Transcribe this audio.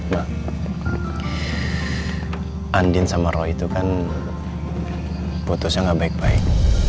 mbak andin sama roh itu kan putusnya gak baik baik